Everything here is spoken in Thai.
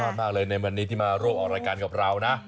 สุดยอดมากเลยในวันนี้ที่มาโรคออกรายการกับเรานะ